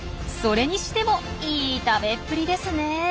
それにしてもいい食べっぷりですね！